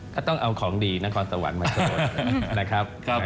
ก็ต้องเอาของดีนครสวรรค์มาสวดนะครับ